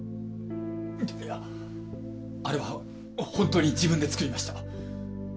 いやあれは本当に自分で作りました。